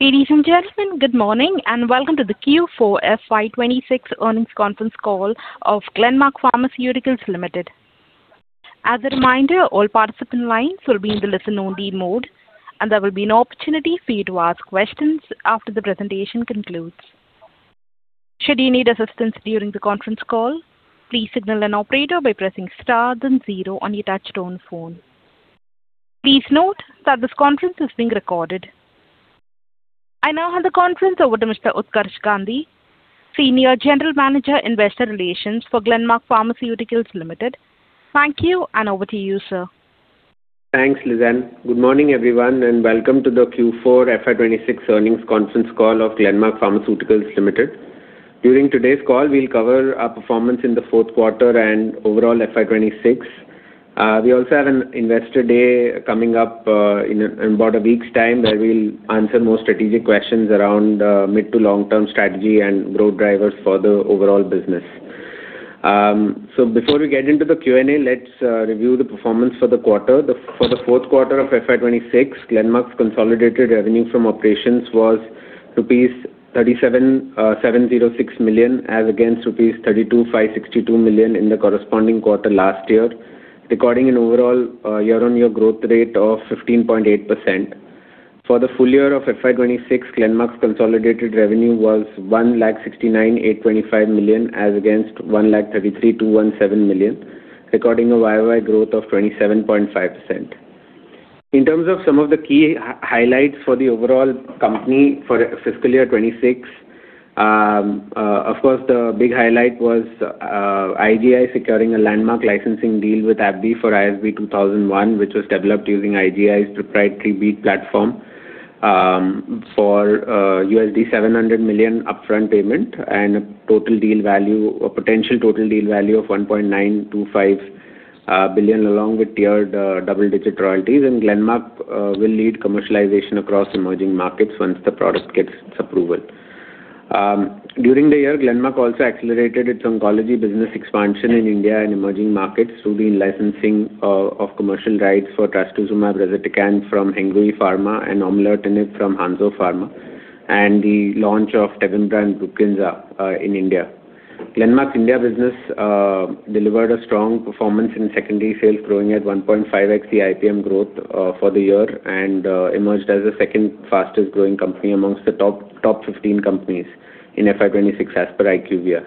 Ladies and gentlemen, good morning, and welcome to the Q4 FY 2026 earnings conference call of Glenmark Pharmaceuticals Limited. As a reminder, all participant lines will be in the listen only mode, and there will be an opportunity for you to ask questions after the presentation concludes. Should you need assistance during the conference call, please signal an operator by pressing star then zero on your touchtone phone. Please note that this conference is being recorded. I now hand the conference over to Mr. Utkarsh Gandhi, Senior General Manager, Investor Relations for Glenmark Pharmaceuticals Limited. Thank you, and over to you, sir. Thanks, Lizanne. Good morning, everyone, and welcome to the Q4 FY 2026 earnings conference call of Glenmark Pharmaceuticals Limited. During today's call, we will cover our performance in the fourth quarter and overall FY 2026. We also have an investor day coming up in about a week's time where we will answer more strategic questions around mid to long-term strategy and growth drivers for the overall business. Before we get into the Q&A, let's review the performance for the quarter. For the fourth quarter of FY 2026, Glenmark's consolidated revenue from operations was rupees 37,706 million, as against rupees 32,562 million in the corresponding quarter last year, recording an overall year-over-year growth rate of 15.8%. For the full year of FY 2026, Glenmark's consolidated revenue was 169,825 million, as against 133,217 million, recording a YoY growth of 27.5%. In terms of some of the key highlights for the overall company for fiscal year 2026. Of course, the big highlight was IGI securing a landmark licensing deal with AbbVie for ISB 2001, which was developed using IGI's proprietary BEAT® platform, for $700 million upfront payment and a potential total deal value of $1.925 billion, along with tiered double-digit royalties. Glenmark will lead commercialization across emerging markets once the product gets its approval. During the year, Glenmark also accelerated its oncology business expansion in India and emerging markets through the licensing of commercial rights for trastuzumab rezetecan from Hengrui Pharma and aumolertinib from Hansoh Pharma, and the launch of Tevimbra Brukinsa in India. Glenmark's India business delivered a strong performance in secondary sales, growing at 1.5x the IPM growth for the year and emerged as the second fastest growing company amongst the top 15 companies in FY 2026 as per IQVIA.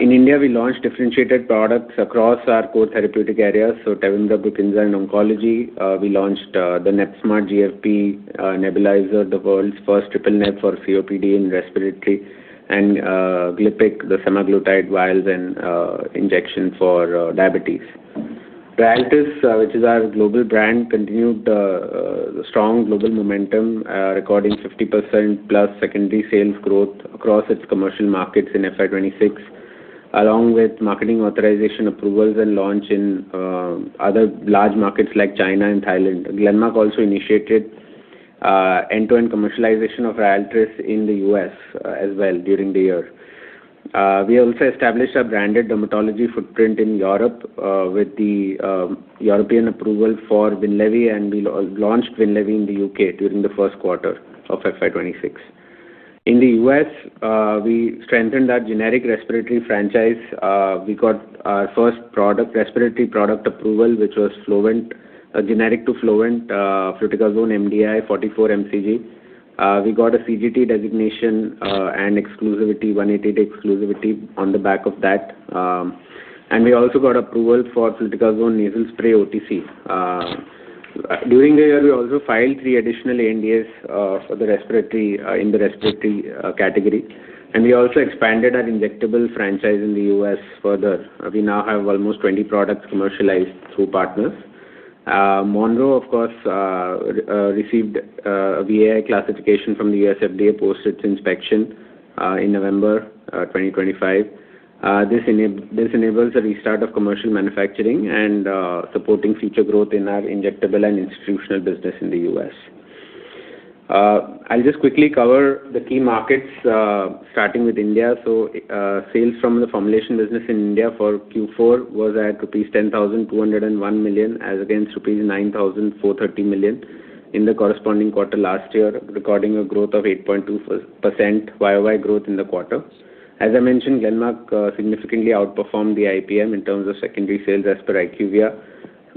In India, we launched differentiated products across our core therapeutic areas, Tevimbra, Brukinsa in oncology. We launched the Nebzmart GFB nebulizer, the world's first triple neb for COPD and respiratory, GLIPIQ, the semaglutide vials and injection for diabetes. Ryaltris, which is our global brand, continued strong global momentum, recording 50%+ secondary sales growth across its commercial markets in FY 2026, along with marketing authorization approvals and launch in other large markets like China and Thailand. Glenmark also initiated end-to-end commercialization of Ryaltris in the U.S. as well during the year. We also established a branded dermatology footprint in Europe, with the European approval for Winlevi, and we launched Winlevi in the U.K. during the first quarter of FY 2026. In the U.S., we strengthened our generic respiratory franchise. We got our first respiratory product approval, which was Flovent, a generic to Flovent, fluticasone MDI 44 mcg. We got a CGT designation and 180-day exclusivity on the back of that. We also got approval for fluticasone nasal spray OTC. During the year, we also filed three additional ANDAs in the respiratory category, and we also expanded our injectable franchise in the U.S. further. We now have almost 20 products commercialized through partners. Monroe, of course, received a VAI classification from the U.S. FDA post its inspection in November 2025. This enables a restart of commercial manufacturing and supporting future growth in our injectable and institutional business in the U.S. I'll just quickly cover the key markets, starting with India. Sales from the formulation business in India for Q4 was at 10,201 million rupees, as against 9,430 million rupees in the corresponding quarter last year, recording a growth of 8.2% YoY growth in the quarter. As I mentioned, Glenmark significantly outperformed the IPM in terms of secondary sales as per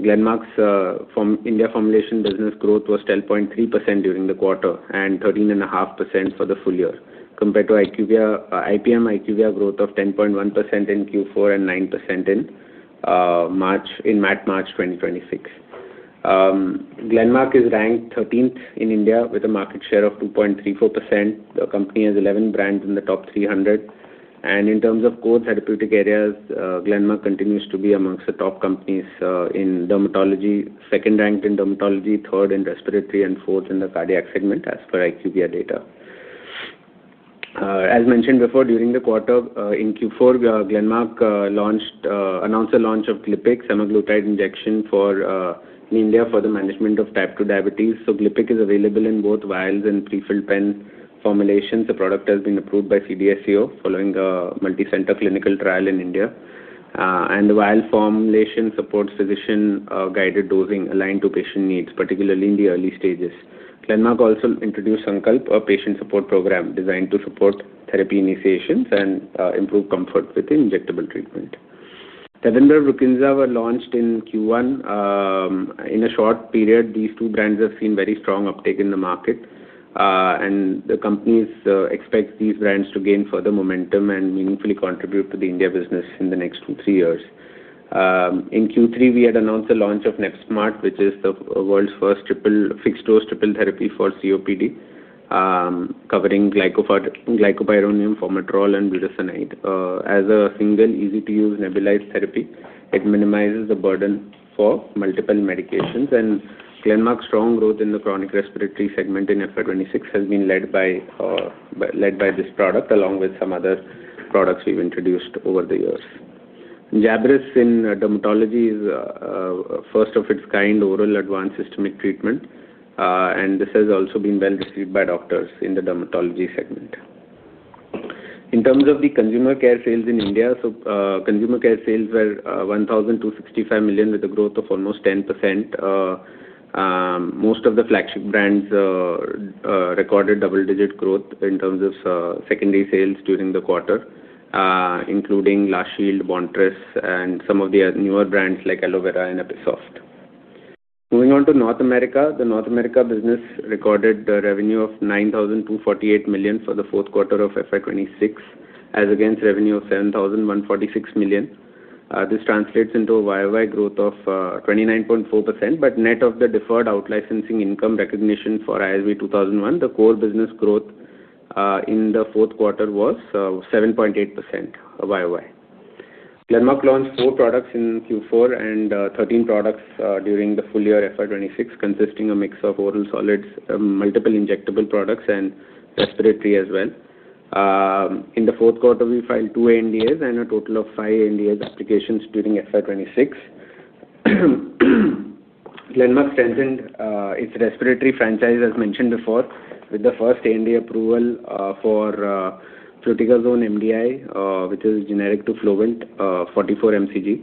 IQVIA. Glenmark's India formulation business growth was 10.3% during the quarter and 13.5% for the full year, compared to IPM IQVIA growth of 10.1% in Q4 and 9% in March 2026. Glenmark is ranked 13th in India with a market share of 2.34%. The company has 11 brands in the top 300. In terms of core therapeutic areas, Glenmark continues to be amongst the top companies in dermatology, second ranked in dermatology, third in respiratory, and fourth in the cardiac segment as per IQVIA data. As mentioned before, during the quarter in Q4, Glenmark announced the launch of GLIPIQ semaglutide injection in India for the management of type 2 diabetes. GLIPIQ is available in both vials and pre-filled pen formulations. The product has been approved by CDSCO following a multi-center clinical trial in India. The vial formulation supports physician-guided dosing aligned to patient needs, particularly in the early stages. Glenmark also introduced Sankalp, a patient support program designed to support therapy initiations and improve comfort with injectable treatment. Tevimbra and Brukinsa were launched in Q1. In a short period, these two brands have seen very strong uptake in the market, and the company expects these brands to gain further momentum and meaningfully contribute to the India business in the next two, three years. In Q3, we had announced the launch of Nebzmart, which is the world's first fixed-dose triple therapy for COPD, covering glycopyrronium, formoterol, and budesonide. As a single easy-to-use nebulized therapy, it minimizes the burden for multiple medications. Glenmark's strong growth in the chronic respiratory segment in FY 2026 has been led by this product, along with some other products we've introduced over the years. Jabryus in dermatology is a first-of-its-kind oral advanced systemic treatment. This has also been well received by doctors in the dermatology segment. In terms of the consumer care sales in India, consumer care sales were 1,265 million, with a growth of almost 10%. Most of the flagship brands recorded double-digit growth in terms of secondary sales during the quarter, including La Shield, Bontress, and some of the newer brands like Elovera and Episoft. Moving on to North America. The North America business recorded revenue of 9,248 million for the fourth quarter of FY 2026, as against revenue of 7,146 million. This translates into a YoY growth of 29.4%, but net of the deferred out licensing income recognition for ISB 2001, the core business growth in the fourth quarter was 7.8% YoY. Glenmark launched four products in Q4 and 13 products during the full year FY 2026, consisting of a mix of oral solids, multiple injectable products, and respiratory as well. In the fourth quarter, we filed two ANDAs and a total of five ANDAs applications during FY 2026. Glenmark strengthened its respiratory franchise, as mentioned before, with the first NDA approval for fluticasone MDI, which is generic to Flovent 44 mcg.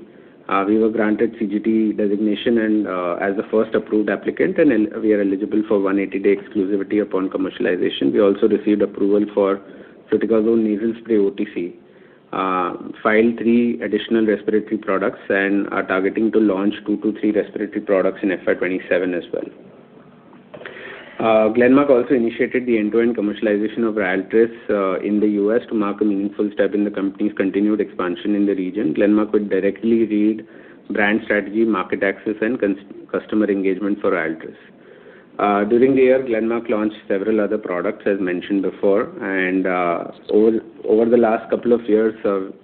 We were granted CGT designation and as the first approved applicant, and we are eligible for 180-day exclusivity upon commercialization. We also received approval for fluticasone nasal spray OTC, filed three additional respiratory products and are targeting to launch two to three respiratory products in FY 2027 as well. Glenmark also initiated the end-to-end commercialization of Ryaltris in the U.S. to mark a meaningful step in the company's continued expansion in the region. Glenmark would directly lead brand strategy, market access, and customer engagement for Ryaltris. During the year, Glenmark launched several other products, as mentioned before. Over the last couple of years,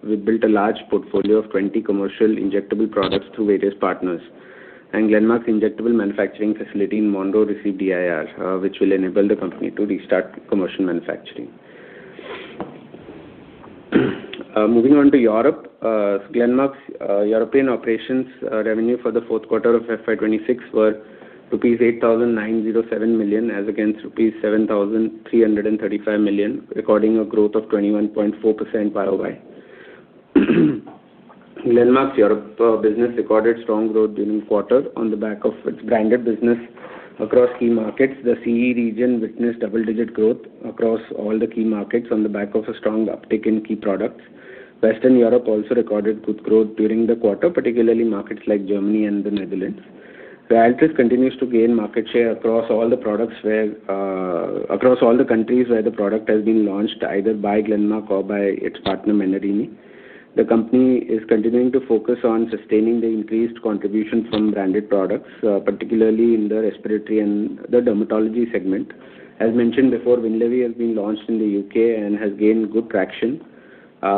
we've built a large portfolio of 20 commercial injectable products through various partners. Glenmark's injectable manufacturing facility in Monroe received EIR, which will enable the company to restart commercial manufacturing. Moving on to Europe. Glenmark's European operations revenue for the fourth quarter of FY 2026 were rupees 8,907 million, as against rupees 7,335 million, recording a growth of 21.4% year-over-year. Glenmark's Europe business recorded strong growth during the quarter on the back of its branded business across key markets. The CE region witnessed double-digit growth across all the key markets on the back of a strong uptick in key products. Western Europe also recorded good growth during the quarter, particularly in markets like Germany and the Netherlands, where Ryaltris continues to gain market share across all the countries where the product has been launched, either by Glenmark or by its partner, Menarini. The company is continuing to focus on sustaining the increased contribution from branded products, particularly in the respiratory and the dermatology segment. As mentioned before, Winlevi has been launched in the U.K. and has gained good traction. We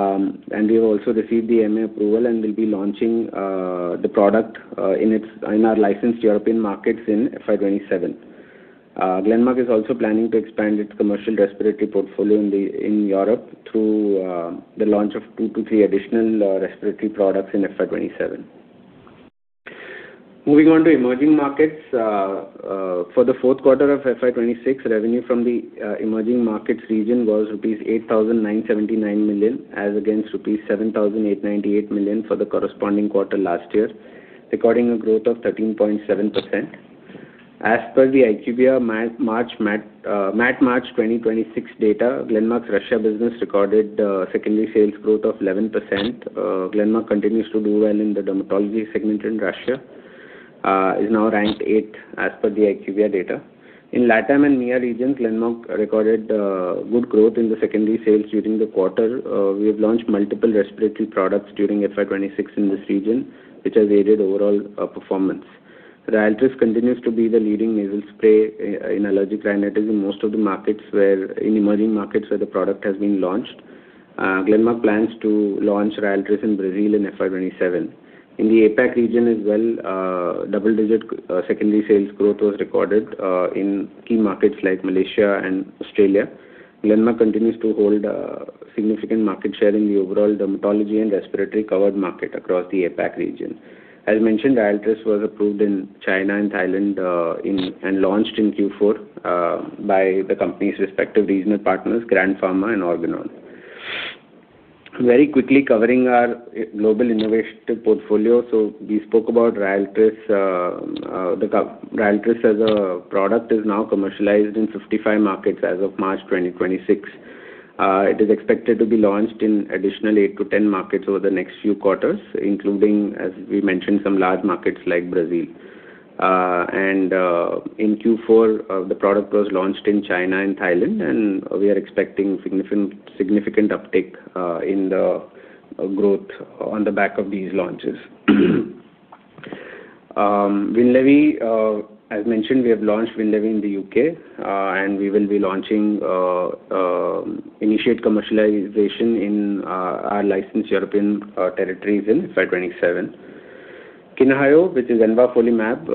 have also received the MA approval and will be launching the product in our licensed European markets in FY 2027. Glenmark is also planning to expand its commercial respiratory portfolio in Europe through the launch of 2 to 3 additional respiratory products in FY 2027. Moving on to emerging markets. For the fourth quarter of FY 2026, revenue from the emerging markets region was rupees 8,979 million, as against rupees 7,898 million for the corresponding quarter last year, recording a growth of 13.7%. As per the IQVIA MAT March 2026 data, Glenmark's Russia business recorded secondary sales growth of 11%. Glenmark continues to do well in the dermatology segment in Russia, is now ranked eighth as per the IQVIA data. In LATAM and MEA regions, Glenmark recorded good growth in the secondary sales during the quarter. We have launched multiple respiratory products during FY 2026 in this region, which has aided overall performance. Ryaltris continues to be the leading nasal spray in allergic rhinitis in most of the emerging markets where the product has been launched. Glenmark plans to launch Ryaltris in Brazil in FY 2027. In the APAC region as well, double-digit secondary sales growth was recorded in key markets like Malaysia and Australia. Glenmark continues to hold significant market share in the overall dermatology and respiratory covered market across the APAC region. As mentioned, Ryaltris was approved in China and Thailand, and launched in Q4 by the company's respective regional partners, Grand Pharma and Organon. Very quickly covering our global innovative portfolio. We spoke about Ryaltris. Ryaltris as a product is now commercialized in 55 markets as of March 2026. It is expected to be launched in additional 8 to 10 markets over the next few quarters, including, as we mentioned, some large markets like Brazil. In Q4, the product was launched in China and Thailand, and we are expecting significant uptick in the growth on the back of these launches. Winlevi, as mentioned, we have launched Winlevi in the U.K., and we will be launching initiate commercialization in our licensed European territories in FY 2027. QinHayo, which is envafolimab.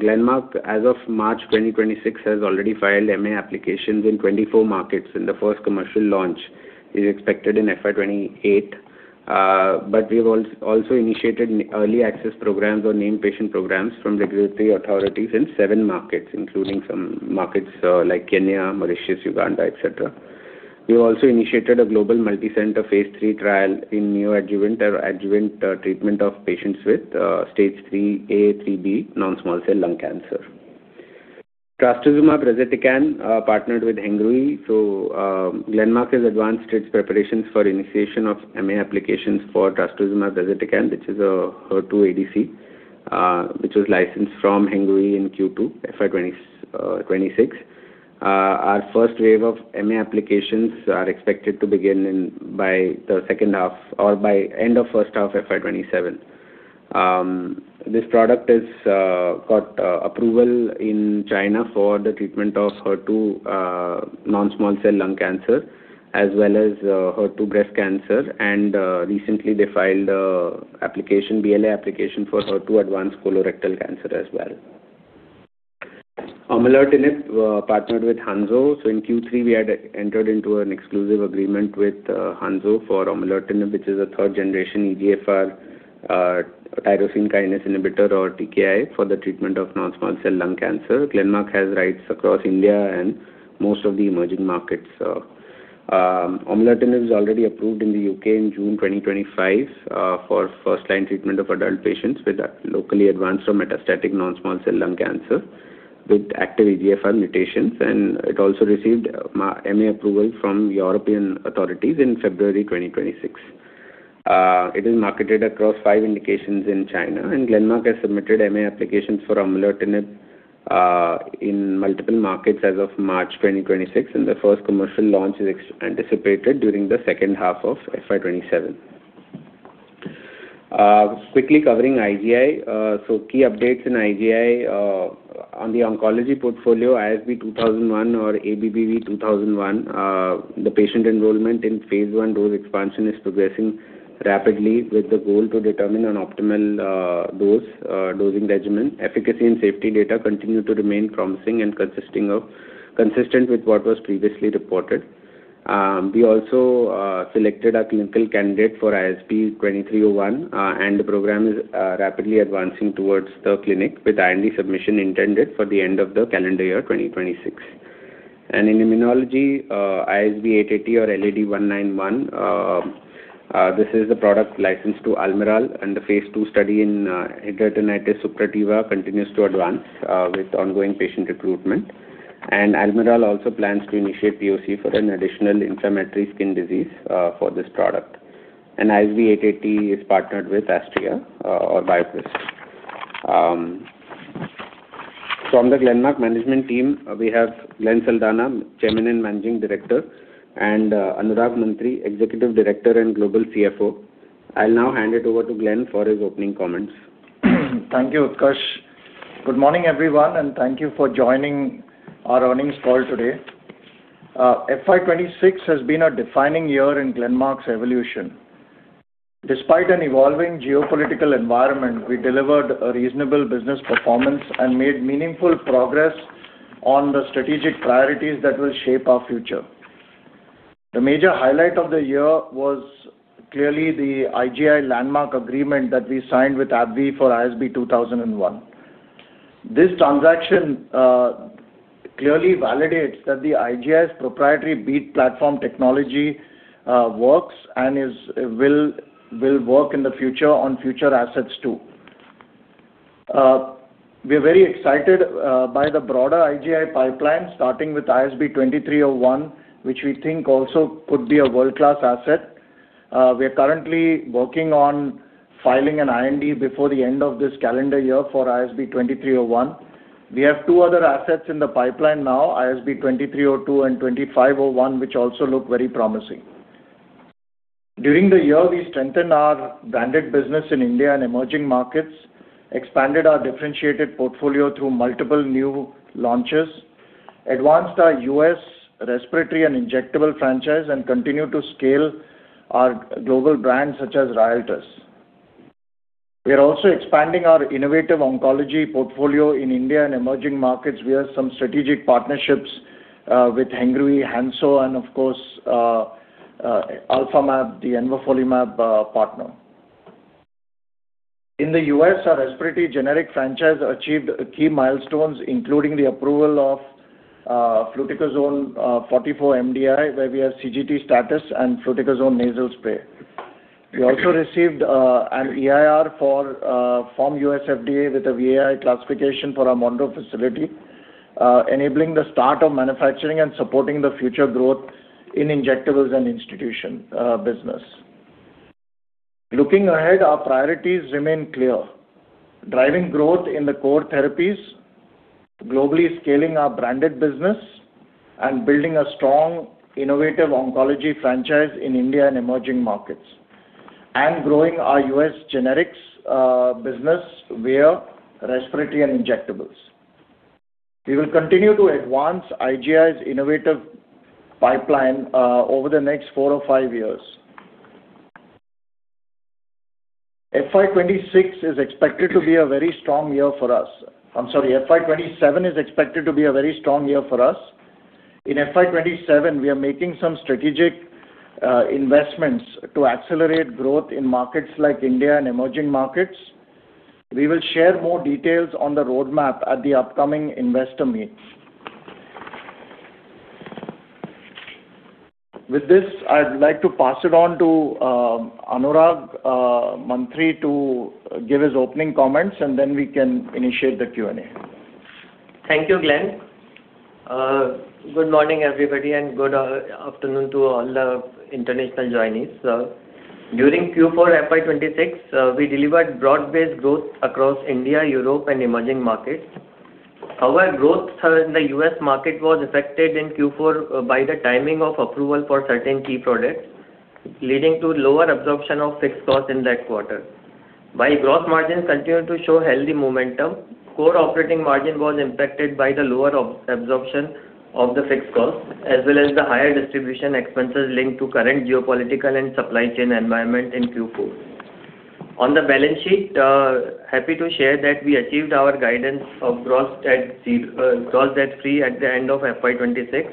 Glenmark, as of March 2026, has already filed MA applications in 24 markets, and the first commercial launch is expected in FY 2028. We've also initiated early access programs or named patient programs from regulatory authorities in seven markets, including some markets like Kenya, Mauritius, Uganda, et cetera. We have also initiated a global multicenter phase III trial in neoadjuvant or adjuvant treatment of patients with Stage III A, III B non-small cell lung cancer. Trastuzumab rezetecan partnered with Hengrui. Glenmark has advanced its preparations for initiation of MA applications for trastuzumab rezetecan, which is a HER2 ADC, which was licensed from Hengrui in Q2 FY 2026. Our first wave of MA applications are expected to begin by the second half or by end of first half FY 2027. This product has got approval in China for the treatment of HER2 non-small cell lung cancer as well as HER2 breast cancer. Recently, they filed a BLA application for HER2 advanced colorectal cancer as well. aumolertinib partnered with Hansoh. In Q3, we had entered into an exclusive agreement with Hansoh for aumolertinib, which is a third-generation EGFR tyrosine kinase inhibitor or TKI for the treatment of non-small cell lung cancer. Glenmark has rights across India and most of the emerging markets. aumolertinib is already approved in the U.K. in June 2025, for first-line treatment of adult patients with locally advanced or metastatic non-small cell lung cancer with active EGFR mutations. It also received MA approval from European authorities in February 2026. It is marketed across five indications in China. Glenmark has submitted MA applications for aumolertinib in multiple markets as of March 2026. The first commercial launch is anticipated during the second half of FY 2027. Quickly covering IGI. Key updates in IGI, on the oncology portfolio, ISB 2001 or ABBV-2001, the patient enrollment in phase I dose expansion is progressing rapidly with the goal to determine an optimal dosing regimen. Efficacy and safety data continue to remain promising and consistent with what was previously reported. We also selected a clinical candidate for ISB 2301. The program is rapidly advancing towards the clinic with IND submission intended for the end of the calendar year 2026. In immunology, ISB 880 or LAD191, this is the product licensed to Almirall. The phase II study in atopic dermatitis continues to advance with ongoing patient recruitment. Almirall also plans to initiate POC for an additional inflammatory skin disease for this product. ISB 880 is partnered with Astria or BioCryst. From the Glenmark management team, we have Glenn Saldanha, Chairman and Managing Director, and Anurag Mantri, Executive Director and Global CFO. I'll now hand it over to Glenn for his opening comments. Thank you, Utkarsh. Good morning, everyone, and thank you for joining our earnings call today. FY 2026 has been a defining year in Glenmark's evolution. Despite an evolving geopolitical environment, we delivered a reasonable business performance and made meaningful progress on the strategic priorities that will shape our future. The major highlight of the year was clearly the IGI landmark agreement that we signed with AbbVie for ISB 2001. This transaction clearly validates that the IGI's proprietary BEAT® platform technology works and will work in the future on future assets too. We are very excited by the broader IGI pipeline, starting with ISB 2301, which we think also could be a world-class asset. We are currently working on filing an IND before the end of this calendar year for ISB 2301. We have two other assets in the pipeline now, ISB 2302 and ISB 2501, which also look very promising. During the year, we strengthened our branded business in India and emerging markets, expanded our differentiated portfolio through multiple new launches, advanced our U.S. respiratory and injectable franchise, and continued to scale our global brands such as Ryaltris. We are also expanding our innovative oncology portfolio in India and emerging markets via some strategic partnerships with Hengrui, Hansoh and of course, Alphamab, the envafolimab partner. In the U.S., our respiratory generic franchise achieved key milestones, including the approval of fluticasone 44 MDI, where we have CGT status, and fluticasone nasal spray. We also received an EIR from U.S. FDA with a VAI classification for our Monroe facility, enabling the start of manufacturing and supporting the future growth in injectables and institution business. Looking ahead, our priorities remain clear. Driving growth in the core therapies, globally scaling our branded business, building a strong, innovative oncology franchise in India and emerging markets, and growing our U.S. generics business via respiratory and injectables. We will continue to advance IGI's innovative pipeline over the next four or five years. FY 2026 is expected to be a very strong year for us. I'm sorry, FY 2027 is expected to be a very strong year for us. In FY 2027, we are making some strategic investments to accelerate growth in markets like India and emerging markets. We will share more details on the roadmap at the upcoming investor meet. With this, I'd like to pass it on to Anurag Mantri to give his opening comments, and then we can initiate the Q&A. Thank you, Glenn. Good morning, everybody, and good afternoon to all the international joinees. During Q4 FY 2026, we delivered broad-based growth across India, Europe, and emerging markets. Growth in the U.S. market was affected in Q4 by the timing of approval for certain key products, leading to lower absorption of fixed costs in that quarter. Gross margins continued to show healthy momentum, core operating margin was impacted by the lower absorption of the fixed costs as well as the higher distribution expenses linked to current geopolitical and supply chain environment in Q4. On the balance sheet, happy to share that we achieved our guidance of gross debt free at the end of FY 2026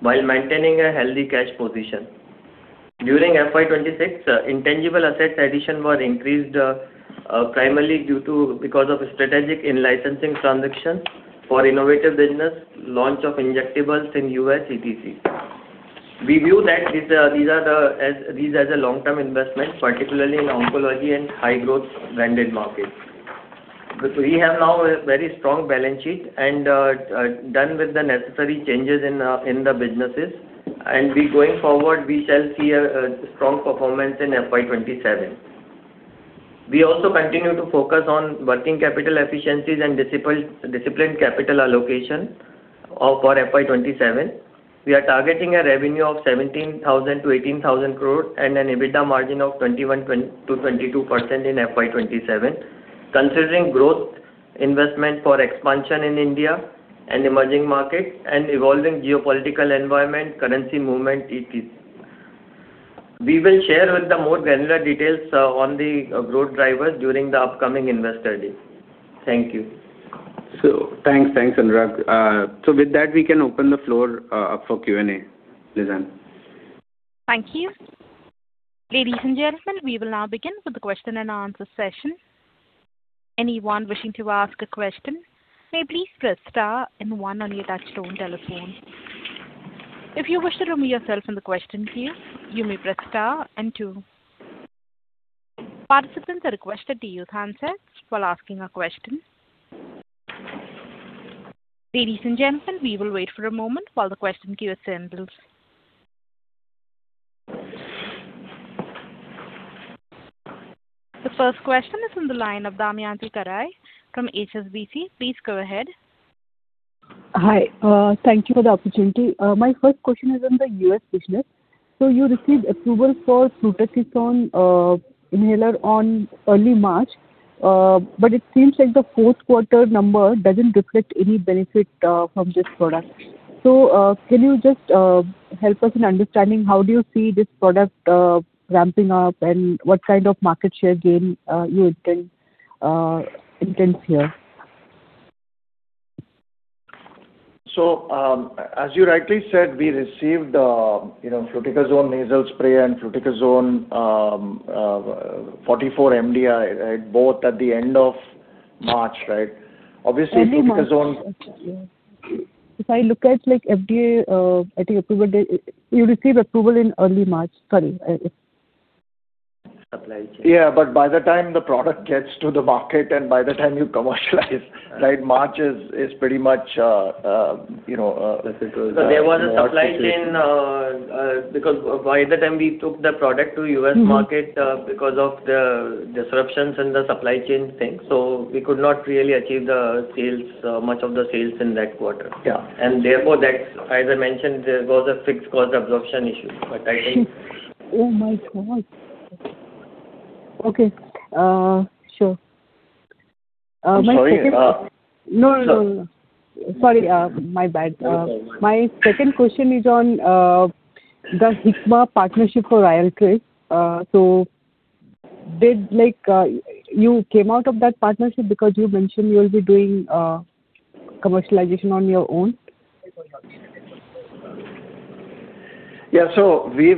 while maintaining a healthy cash position. During FY 2026, intangible asset addition were increased primarily because of strategic in-licensing transactions for innovative business, launch of injectables in U.S., etc. We view these as a long-term investment, particularly in oncology and high-growth branded markets. We have now a very strong balance sheet and are done with the necessary changes in the businesses. Going forward, we shall see a strong performance in FY 2027. We also continue to focus on working capital efficiencies and disciplined capital allocation for FY 2027. We are targeting a revenue of 17,000 crore-18,000 crore and an EBITDA margin of 21%-22% in FY 2027, considering growth investment for expansion in India and emerging markets and evolving geopolitical environment, currency movement, etc. We will share the more granular details on the growth drivers during the upcoming investor day. Thank you. Thanks, Anurag. With that, we can open the floor up for Q&A. Lizanne. Thank you. Ladies and gentlemen, we will now begin with the question and answer session. The first question is on the line of Damayanti Kerai from HSBC. Please go ahead. Hi. Thank you for the opportunity. My first question is on the U.S. business. You received approval for fluticasone inhaler on early March, but it seems like the fourth quarter number doesn't reflect any benefit from this product. Can you just help us in understanding how do you see this product ramping up, and what kind of market share gain you intend here? As you rightly said, we received fluticasone nasal spray and fluticasone 44 MDI both at the end of March, right? Early March. Okay. If I look at FDA, I think approval date, you received approval in early March. Sorry. Supply chain. Yeah, by the time the product gets to the market and by the time you commercialize March is pretty much. There was a supply chain, because by the time we took the product to U.S. market, because of the disruptions in the supply chain thing, so we could not really achieve much of the sales in that quarter. Yeah. Therefore, as I mentioned, there was a fixed cost absorption issue. Oh my God. Okay. Sure. I'm sorry. No, no. Sorry, my bad. No, it's all right. My second question is on the Hikma partnership for [ILCIS]. You came out of that partnership because you mentioned you'll be doing commercialization on your own As of April,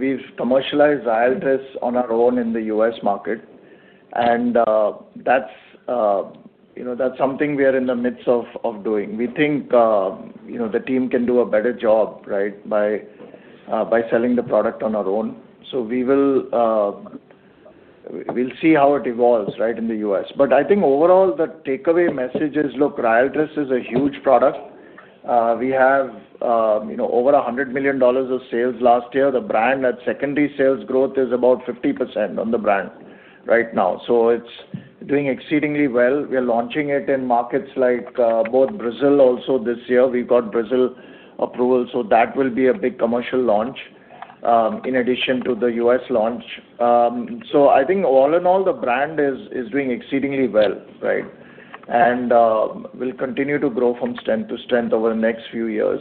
we've commercialized Ryaltris on our own in the U.S. market, and that's something we are in the midst of doing. We think the team can do a better job by selling the product on our own. We'll see how it evolves in the U.S. I think overall, the takeaway message is, look, Ryaltris is a huge product. We have over $100 million of sales last year. The brand at secondary sales growth is about 50% on the brand right now. It's doing exceedingly well. We are launching it in markets like Brazil also this year. We got Brazil approval, that will be a big commercial launch in addition to the U.S. launch. I think all in all, the brand is doing exceedingly well. Will continue to grow from strength to strength over the next few years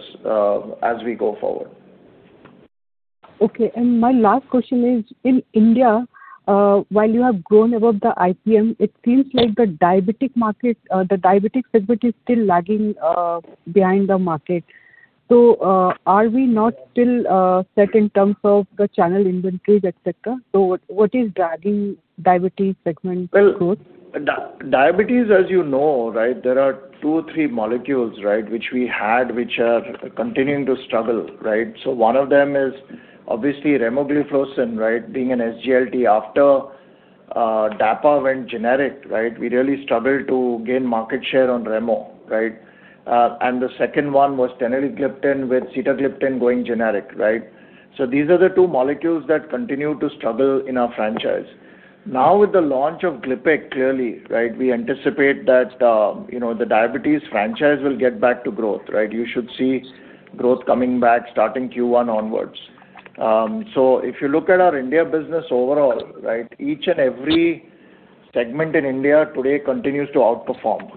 as we go forward. Okay. My last question is, in India, while you have grown above the IPM, it seems like the diabetic segment is still lagging behind the market. Are we not still set in terms of the channel inventories, et cetera? What is dragging diabetes segment growth? Well, diabetes, as you know, there are two, three molecules which we had, which are continuing to struggle. One of them is obviously remogliflozin, being an SGLT. After Dapa went generic, we really struggled to gain market share on Remo. The second one was teneligliptin, with sitagliptin going generic. These are the two molecules that continue to struggle in our franchise. Now with the launch of GLIPIQ clearly, we anticipate that the diabetes franchise will get back to growth. You should see growth coming back starting Q1 onwards. If you look at our India business overall, each and every segment in India today continues to outperform.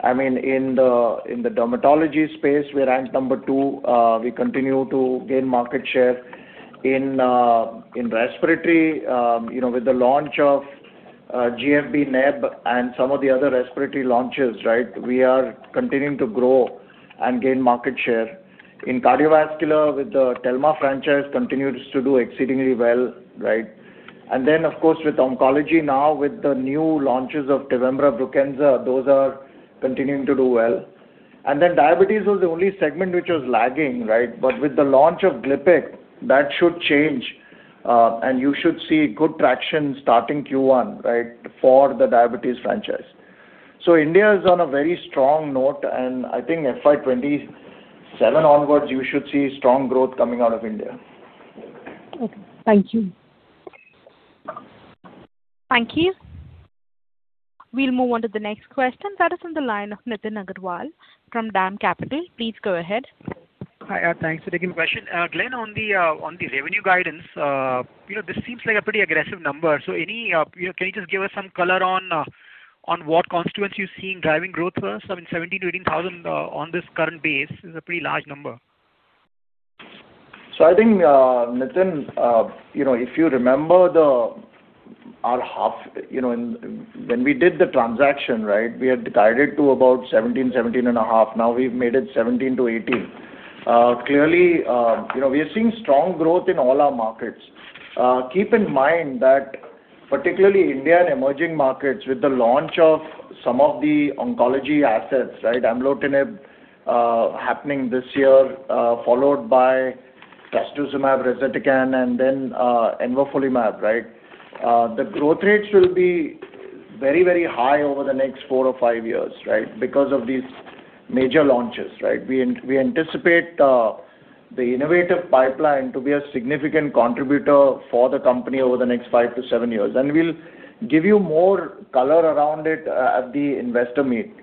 In the dermatology space, we rank number two. We continue to gain market share. In respiratory, with the launch of GFB Neb and some of the other respiratory launches, we are continuing to grow and gain market share. In cardiovascular, with the Telma franchise, continues to do exceedingly well. With oncology now, with the new launches of Tevimbra and Brukinsa, those are continuing to do well. Diabetes was the only segment which was lagging. With the launch of GLIPIQ, that should change, and you should see good traction starting Q1 for the diabetes franchise. India is on a very strong note, and I think FY 2027 onwards, you should see strong growth coming out of India. Okay. Thank you. Thank you. We'll move on to the next question. That is on the line of Nitin Agarwal from DAM Capital. Please go ahead. Hi. Thanks for taking the question. Glenn, on the revenue guidance, this seems like a pretty aggressive number. Can you just give us some color on what constituents you're seeing driving growth for us? I mean, 17,000 to 18,000 on this current base is a pretty large number. I think, Nitin, if you remember when we did the transaction, we had guided to about 17 and a half. Now we've made it 17-18. Clearly, we are seeing strong growth in all our markets. Keep in mind that particularly India and emerging markets with the launch of some of the oncology assets, aumolertinib happening this year followed by trastuzumab rezetecan, and then envafolimab. The growth rates will be very, very high over the next four or five years because of these major launches. We anticipate the innovative pipeline to be a significant contributor for the company over the next five to seven years. We'll give you more color around it at the investor meet.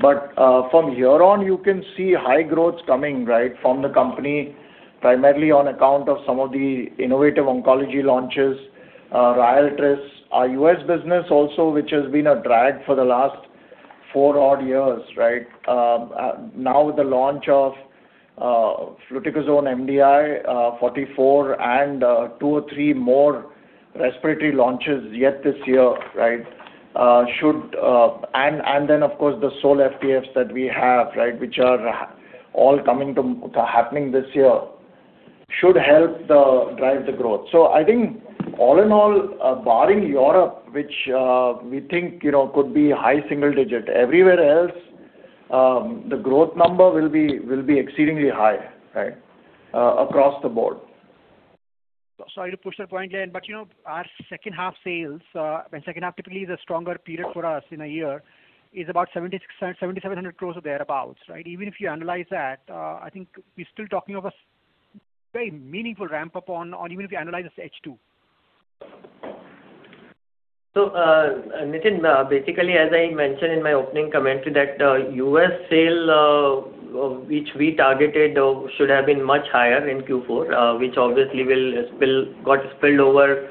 From here on, you can see high growth coming from the company, primarily on account of some of the innovative oncology launches, Ryaltris. Our U.S. business also, which has been a drag for the last four odd years. Now with the launch of fluticasone MDI 44 and two or three more respiratory launches yet this year, and then, of course, the sole FTFs that we have, which are all happening this year, should help drive the growth. I think all in all, barring Europe, which we think could be high single digit. Everywhere else, the growth number will be exceedingly high across the board. Sorry to push the point, Glenn, our second half sales, and second half typically is a stronger period for us in a year, is about 7,600, 7,700 crores or thereabouts. Even if you analyze that, I think we're still talking of a very meaningful ramp-up on even if you analyze as H2. Nitin, basically, as I mentioned in my opening comment that U.S. sale which we targeted should have been much higher in Q4, which obviously got spilled over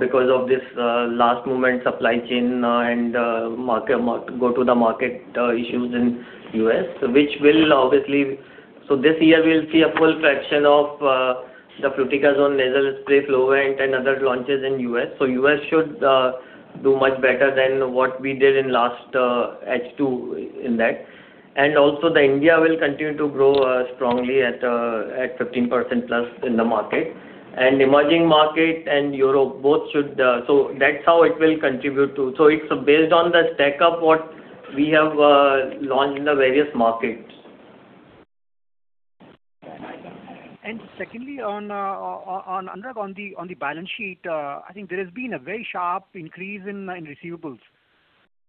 because of this last moment supply chain and go to the market issues in U.S. This year we'll see a full fraction of the fluticasone nasal spray, Flovent, and other launches in U.S. U.S. should do much better than what we did in last H2 in that. Also the India will continue to grow strongly at 15%+ in the market. Emerging market and Europe, that's how it will contribute too. It's based on the stack-up what we have launched in the various markets. Secondly, Anurag, on the balance sheet, I think there has been a very sharp increase in receivables,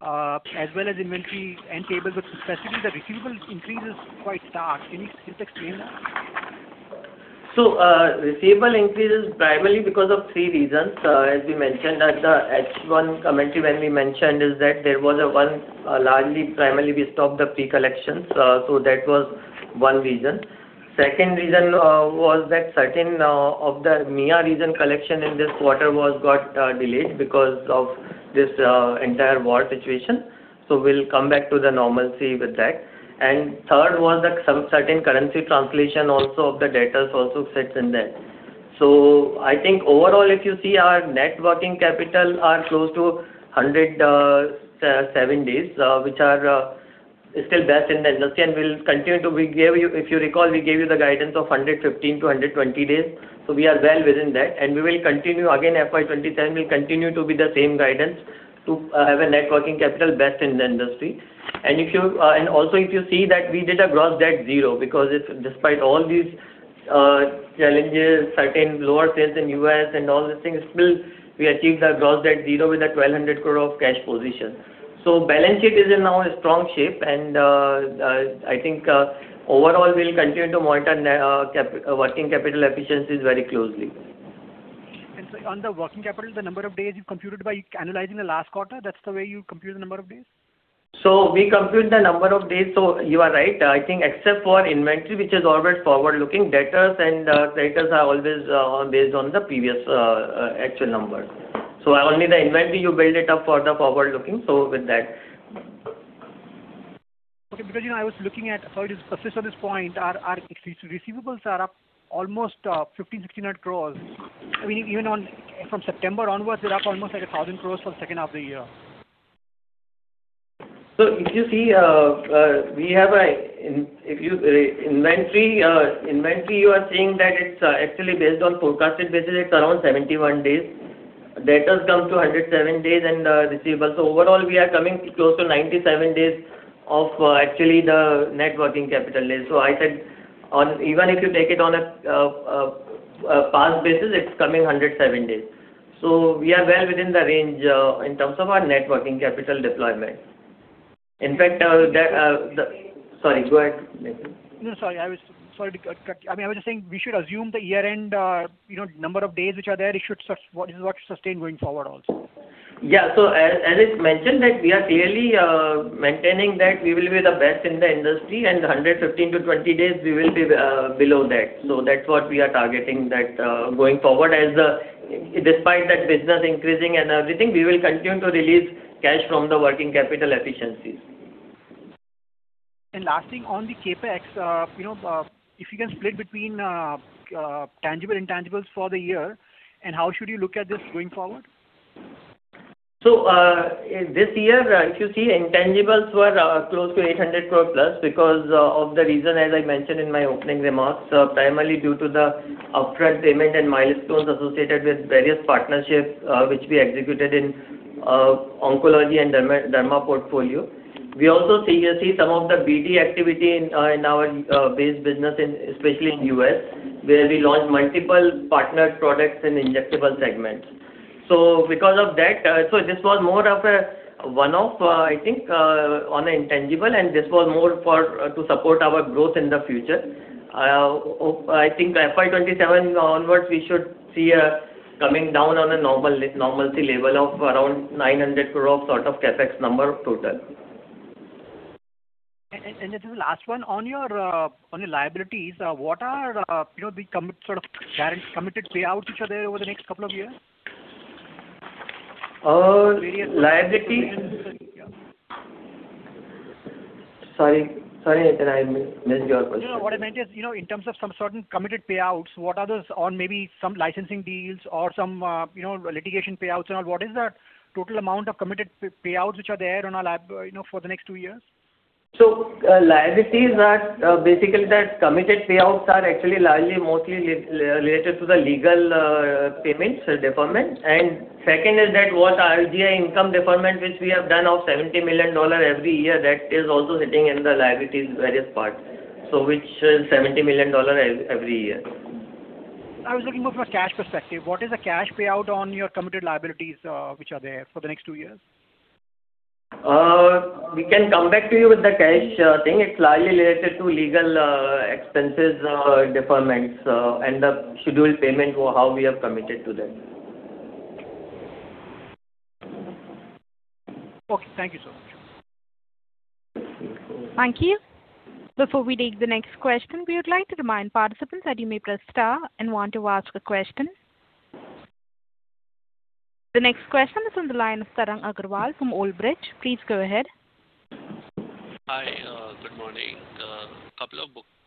as well as inventory and payables, but specifically the receivable increase is quite stark. Can you please explain that? Receivable increase is primarily because of three reasons. As we mentioned at the H1 commentary, when we mentioned that primarily we stopped the pre-collections. That was one reason. Second reason was that certain of the EMEA region collection in this quarter got delayed because of this entire war situation. We'll come back to the normalcy with that. Third was that certain currency translation also of the debtors also sits in there. I think overall, if you see our net working capital are close to 107 days, which are still best in the industry, and if you recall, we gave you the guidance of 115-120 days. We are well within that, and we will continue. Again, FY 2027 will continue to be the same guidance to have a net working capital best in the industry. Also if you see that we did a gross debt zero, because despite all these challenges, certain lower sales in U.S. and all these things, still we achieved that gross debt zero with an 1,200 crore of cash position. Balance sheet is in now a strong shape, and I think overall we'll continue to monitor working capital efficiencies very closely. On the working capital, the number of days you computed by analyzing the last quarter, that's the way you compute the number of days? We compute the number of days, so you are right. I think except for inventory, which is always forward-looking, debtors and creditors are always based on the previous actual number. Only the inventory you build it up for the forward-looking. With that. I was looking at how it is persist on this point, our receivables are up almost 1,500 crore-1,600 crore. Even from September onwards, they're up almost like 1,000 crore for second half of the year. If you see, inventory you are saying that it's actually based on forecasted basis, it's around 71 days. Debtors come to 107 days and receivables. Overall, we are coming close to 97 days of actually the net working capital days. I said, even if you take it on a past basis, it's coming 107 days. We are well within the range in terms of our net working capital deployment. In fact, sorry, go ahead. No, sorry to cut you. I was just saying we should assume the year-end number of days which are there, this is what should sustain going forward also. As it's mentioned that we are clearly maintaining that we will be the best in the industry, and 115-20 days we will be below that. That's what we are targeting that going forward as despite that business increasing and everything, we will continue to release cash from the working capital efficiencies. Last thing on the CapEx, if you can split between tangible and intangibles for the year, and how should you look at this going forward? This year, if you see, intangibles were close to 800 crore+ because of the reason as I mentioned in my opening remarks. Primarily due to the upfront payment and milestones associated with various partnerships, which we executed in oncology and derma portfolio. We also see some of the BD activity in our base business especially in U.S., where we launched multiple partner products in injectable segment. Because of that, this was more of a one-off, I think, on the intangible, and this was more to support our growth in the future. I think FY 2027 onwards, we should see a coming down on a normalcy level of around 900 crore of sort of CapEx number of total. Just the last one. On your liabilities, what are the sort of guaranteed committed payouts which are there over the next couple of years? liability? Yeah. Sorry, Nitin, I missed your question. No, no. What I meant is, in terms of some certain committed payouts, what are those, or maybe some licensing deals or some litigation payouts and all, what is the total amount of committed payouts which are there for the next two years? Liabilities are basically that committed payouts are actually largely, mostly related to the legal payments deferment. Second is that what our GAAP income deferment, which we have done of $70 million every year, that is also sitting in the liabilities various parts. Which is $70 million every year. I was looking more from a cash perspective. What is the cash payout on your committed liabilities which are there for the next two years? We can come back to you with the cash thing. It's largely related to legal expenses deferments and the scheduled payment how we have committed to them. Okay. Thank you so much. Thank you. The next question is on the line of Tarang Agrawal from Old Bridge. Please go ahead.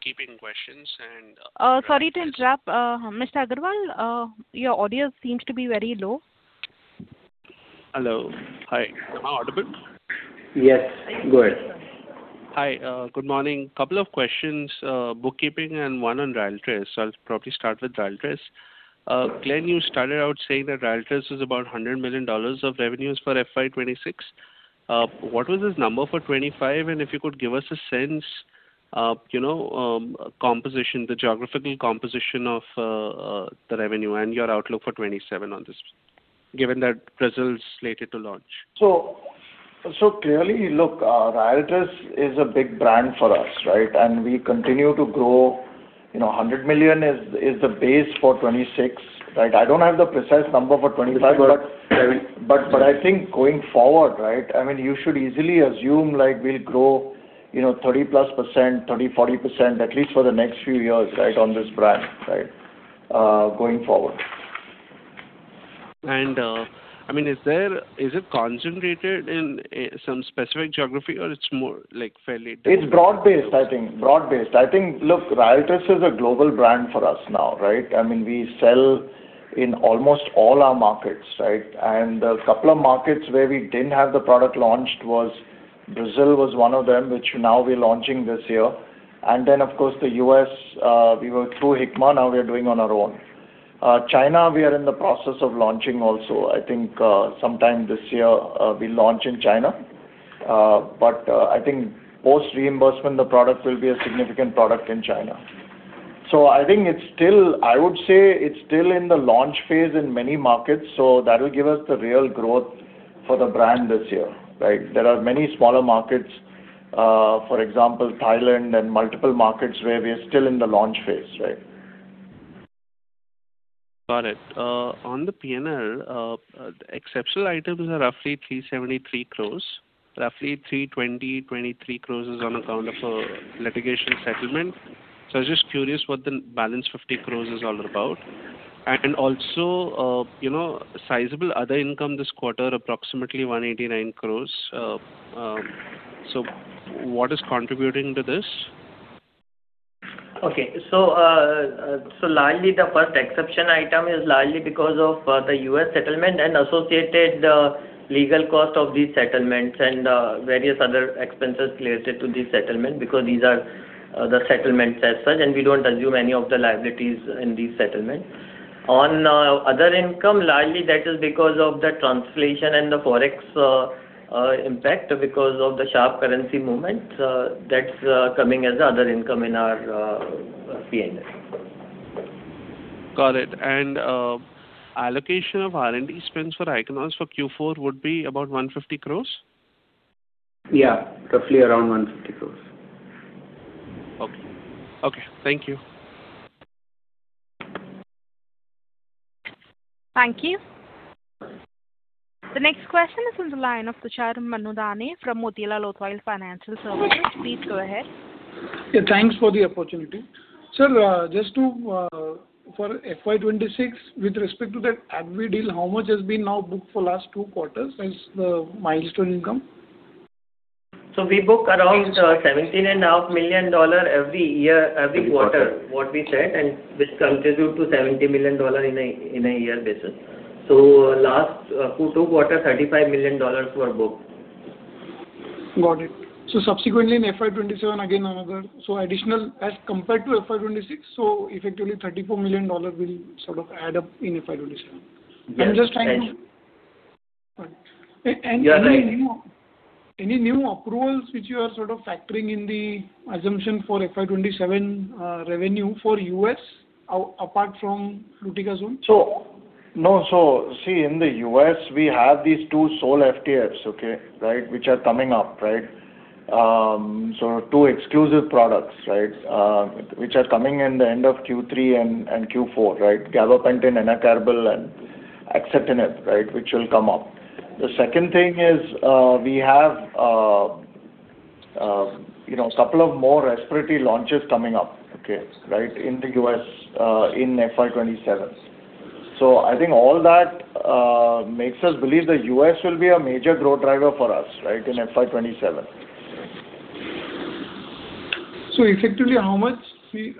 Keeping questions and- Sorry to interrupt. Mr. Agarwal, your audio seems to be very low. Hello. Hi. Am I audible? Yes, go ahead. Hi. Good morning. Couple of questions, bookkeeping and one on Ryaltris. I'll probably start with Ryaltris. Glenn, you started out saying that Ryaltris is about $100 million of revenues for FY 2026. What was this number for 2025? If you could give us a sense, the geographical composition of the revenue and your outlook for 2027 on this, given that Brazil's slated to launch. Clearly, look, Ryaltris is a big brand for us, right? We continue to grow. $100 million is the base for 2026. I don't have the precise number for 2025. I think going forward, you should easily assume we'll grow 30+%, 30%-40%, at least for the next few years on this brand, going forward. Is it concentrated in some specific geography or it's more fairly? It's broad-based, I think. Look, Ryaltris is a global brand for us now. We sell in almost all our markets. A couple of markets where we didn't have the product launched was Brazil was one of them, which now we're launching this year. Of course, the U.S., we were through Hikma, now we are doing on our own. China, we are in the process of launching also. I think sometime this year we'll launch in China. I think post reimbursement, the product will be a significant product in China. I would say it's still in the launch phase in many markets, so that will give us the real growth for the brand this year. There are many smaller markets, for example, Thailand and multiple markets where we are still in the launch phase. Got it. On the P&L, exceptional items are roughly 373 crores. Roughly 320, 323 crores is on account of a litigation settlement. I was just curious what the balance 50 crores is all about. Also, sizable other income this quarter, approximately 189 crores. What is contributing to this? The first exception item is largely because of the U.S. settlement and associated legal cost of these settlements and various other expenses related to this settlement because these are the settlements as such, and we don't assume any of the liabilities in these settlements. On other income, largely that is because of the translation and the Forex impact because of the sharp currency movement. That's coming as other income in our P&L. Got it. Allocation of R&D spends for Ichnos for Q4 would be about 150 crores? Yeah, roughly around 150 crores. Okay. Thank you. Thank you. The next question is on the line of Tushar Manudhane from Motilal Oswal Financial Services. Please go ahead. Yeah. Thanks for the opportunity. Sir, just for FY 2026, with respect to the AbbVie deal, how much has been now booked for last two quarters as the milestone income? We book around $17.5 million every quarter, what we said, and this contributes to $70 million in a year basis. Last two quarters, $35 million were booked. Got it. Subsequently in FY 2027 again on Agrawal, so additional as compared to FY 2026, so effectively $34 million will sort of add up in FY 2027. Yes. I'm just trying to. You are right. Any new approvals which you are sort of factoring in the assumption for FY 2027 revenue for U.S. apart from fluticasone? No. See, in the U.S. we have these two sole FTFs, which are coming up. Two exclusive products, which are coming in the end of Q3 and Q4. gabapentin enacarbil and upadacitinib, which will come up. The second thing is, we have couple of more respiratory launches coming up in the U.S. in FY 2027. I think all that makes us believe the U.S. will be a major growth driver for us in FY 2027. Effectively, how much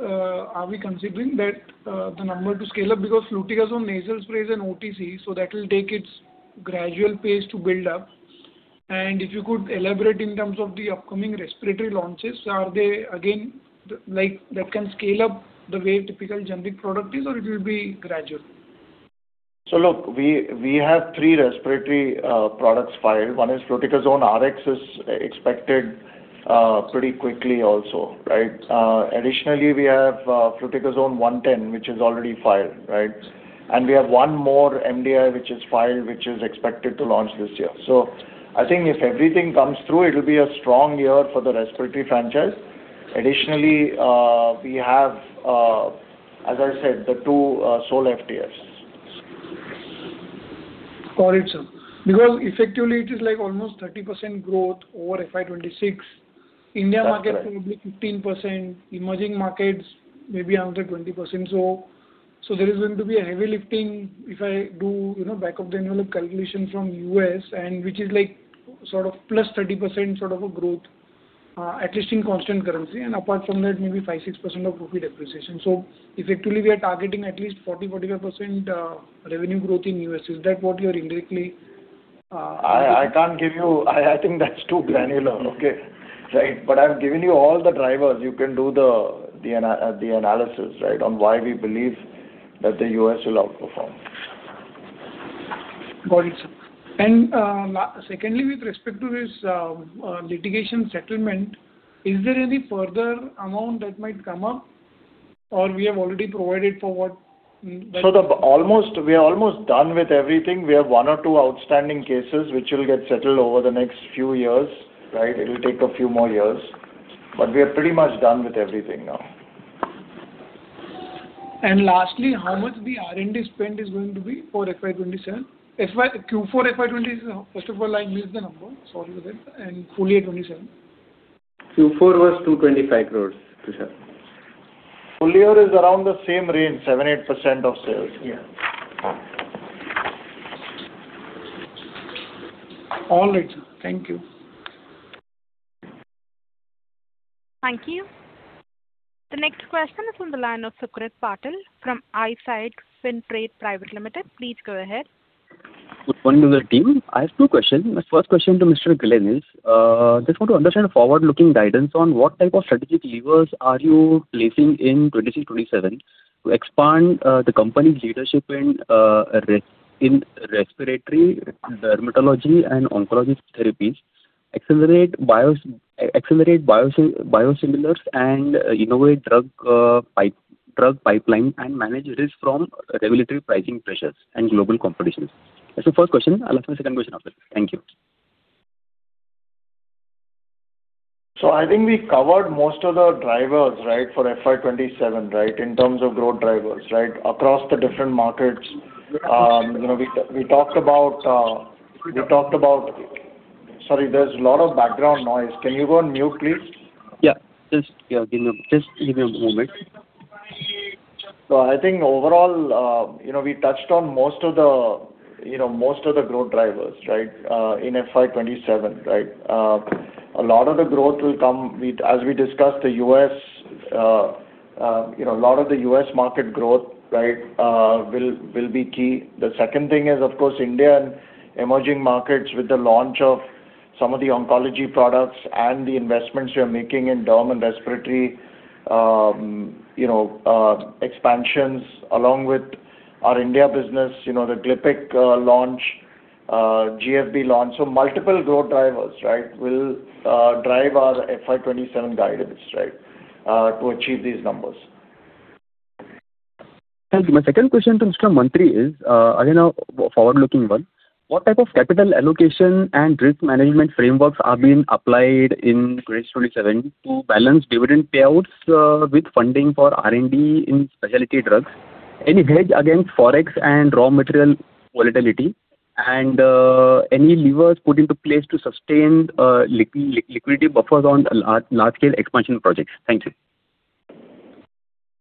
are we considering that the number to scale up because fluticasone nasal spray is an OTC, so that will take its gradual pace to build up. If you could elaborate in terms of the upcoming respiratory launches, are they again that can scale up the way typical generic product is or it will be gradual? We have three respiratory products filed. One is fluticasone Rx is expected pretty quickly also. Additionally, we have fluticasone 110, which is already filed. We have one more MDI, which is filed, which is expected to launch this year. If everything comes through, it will be a strong year for the respiratory franchise. Additionally, we have, as I said, the two sole FTFs. Got it, sir. Because effectively it is like almost 30% growth over FY 2026. India market probably 15%, emerging markets maybe another 20% or so. There is going to be a heavy lifting if I do back of the envelope calculation from U.S. and which is like sort of +30% sort of a growth, at least in constant currency. Apart from that, maybe 5%-6% of profit appreciation. Effectively, we are targeting at least 40%-45% revenue growth in U.S. Is that what you're indirectly? I can't give you I think that's too granular. Okay? Right. I've given you all the drivers. You can do the analysis, on why we believe that the U.S. will outperform. Got it. Secondly, with respect to this litigation settlement, is there any further amount that might come up, or we have already provided for? We are almost done with everything. We have one or two outstanding cases which will get settled over the next few years. It will take a few more years, but we are pretty much done with everything now. Lastly, how much the R&D spend is going to be for FY 2027? [Q4 FY 2026] is, first of all, I missed the number. Sorry for that. Full year 2027. Q4 was INR 225 crores, Tushar. Full year is around the same range, 7%-8% of sales. Yeah. All right. Thank you. Thank you. The next question is on the line of Sukrit Patil from Eyesight FinTrade Private Limited. Please go ahead. Good morning to the team. I have two question. My first question to Mr. Glenn is, just want to understand forward-looking guidance on what type of strategic levers are you placing in 2026, 2027 to expand the company's leadership in respiratory, dermatology, and oncology therapies, accelerate biosimilars, and innovate drug pipeline, and manage risk from regulatory pricing pressures and global competition. That's the first question. I'll ask my second question after. Thank you. I think we covered most of the drivers for FY 2027, in terms of growth drivers, across the different markets. Sorry, there's a lot of background noise. Can you go on mute, please? Yeah. Just give me a moment. I think overall, we touched on most of the growth drivers in FY 2027. A lot of the growth will come, as we discussed, a lot of the U.S. market growth will be key. The second thing is, of course, India and emerging markets with the launch of some of the oncology products and the investments we are making in derm and respiratory expansions along with our India business, the GLIPIQ launch, GFB launch. Multiple growth drivers will drive our FY 2027 guidance to achieve these numbers. Thank you. My second question to Mr. Mantri is, again a forward-looking one. What type of capital allocation and risk management frameworks are being applied in 2027 to balance dividend payouts with funding for R&D in specialty drugs? Any hedge against Forex and raw material volatility, and any levers put into place to sustain liquidity buffers on large-scale expansion projects? Thank you.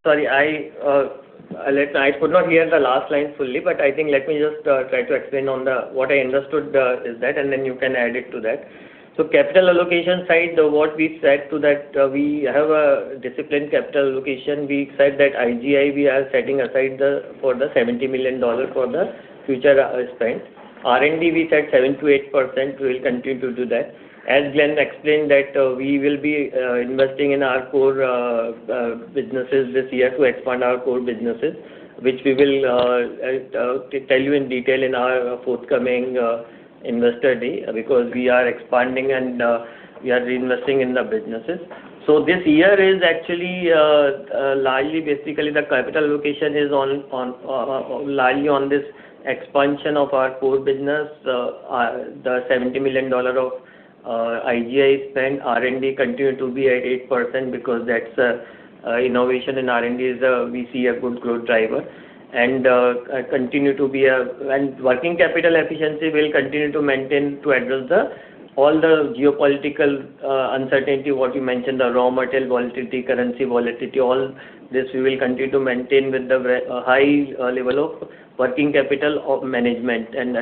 Sorry, I could not hear the last line fully, but I think let me just try to explain on what I understood is that, and then you can add it to that. Capital allocation side, what we've said to that, we have a disciplined capital allocation. We said that IGI, we are setting aside for the $70 million for the future spends. R&D, we said 7% to 8%, we'll continue to do that. As Glenn explained that we will be investing in our core businesses this year to expand our core businesses, which we will tell you in detail in our forthcoming investor day, because we are expanding and we are reinvesting in the businesses. This year is actually largely, basically the capital allocation is largely on this expansion of our core business, the $70 million of IGI spend. R&D continue to be at 8% because that's innovation in R&D, we see a good growth driver. Working capital efficiency we'll continue to maintain to address all the geopolitical uncertainty, what you mentioned, the raw material volatility, currency volatility, all this we will continue to maintain with the high level of working capital management and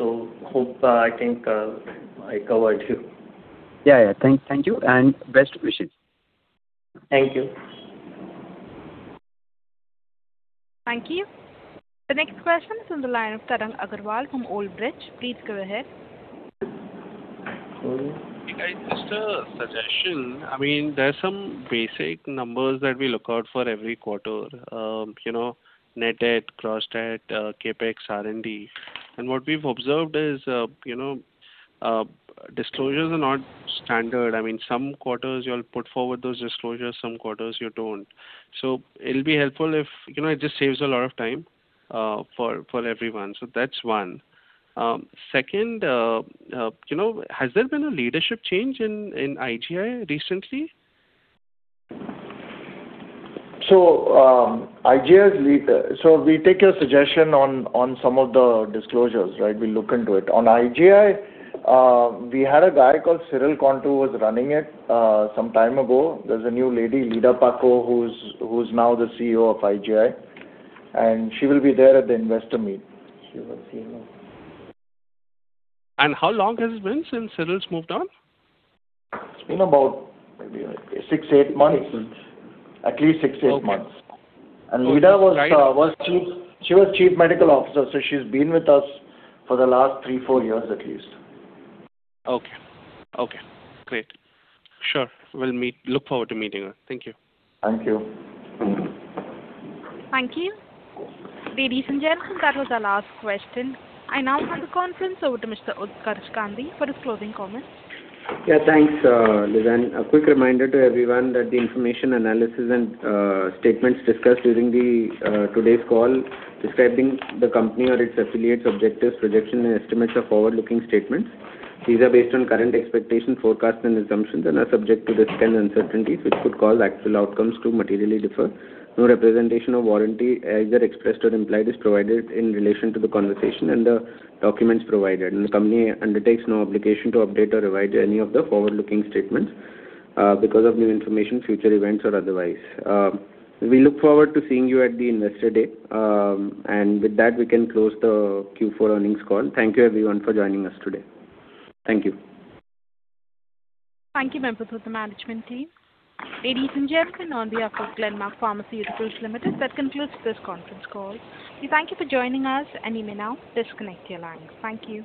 efficiencies. Hope, I think, I covered. Yeah. Thank you and best wishes. Thank you. Thank you. The next question is on the line of Tarang Agrawal from Old Bridge. Please go ahead. Hey, guys, just a suggestion. There's some basic numbers that we look out for every quarter. Net debt, gross debt, CapEx, R&D. What we've observed is disclosures are not standard. Some quarters you'll put forward those disclosures, some quarters you don't. It'll be helpful, it just saves a lot of time for everyone. That's one. Second, has there been a leadership change in IGI recently? We take your suggestion on some of the disclosures. We'll look into it. On IGI, we had a guy called Cyril Konto was running it some time ago. There's a new lady, Lida Pacaud, who's now the CEO of IGI, and she will be there at the investor meet. She was CEO. How long has it been since Cyril's moved on? It's been about maybe six, eight months. At least six, eight months. Okay. Lida, she was chief medical officer, so she's been with us for the last three, four years at least. Okay. Great. Sure. We'll look forward to meeting her. Thank you. Thank you. Thank you. Ladies and gentlemen, that was our last question. I now hand the conference over to Mr. Utkarsh Gandhi for his closing comments. Yeah, thanks, Lizanne. A quick reminder to everyone that the information, analysis, and statements discussed during today's call describing the company or its affiliates, objectives, projections, and estimates are forward-looking statements. These are based on current expectations, forecasts, and assumptions and are subject to risks and uncertainties, which could cause actual outcomes to materially differ. No representation or warranty, either expressed or implied, is provided in relation to the conversation and the documents provided. The company undertakes no obligation to update or revise any of the forward-looking statements because of new information, future events, or otherwise. We look forward to seeing you at the investor day. With that, we can close the Q4 earnings call. Thank you everyone for joining us today. Thank you. Thank you, members of the management team. Ladies and gentlemen, on behalf of Glenmark Pharmaceuticals Limited, that concludes this conference call. We thank you for joining us, and you may now disconnect your lines. Thank you.